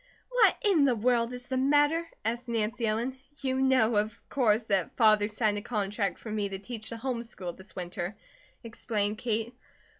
"What in the world is the matter?" asked Nancy Ellen. "You know, of course, that Father signed a contract for me to teach the home school this winter," explained Kate.